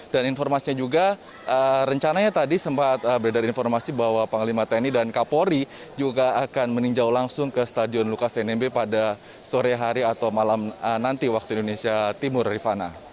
dan informasinya juga rencananya tadi sempat berdari informasi bahwa panglima tni dan kapolri juga akan meninjau langsung ke stadion lukas nmb pada sore hari atau malam nanti waktu indonesia timur rifana